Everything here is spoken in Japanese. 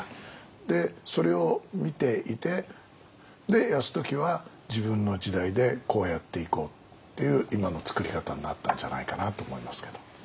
でそれを見ていて泰時は自分の時代でこうやっていこうっていう今の作り方になったんじゃないかなと思いますけど。